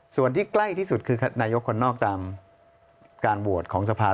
ส่วนที่ใกล้ที่สุดคือนายกคนนอกตามการโหวตของสภา